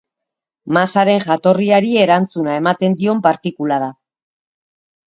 Masaren jatorriari erantzuna ematen dion partikula da.